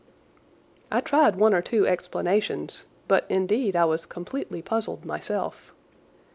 I tried one or two explanations, but, indeed, I was completely puzzled myself.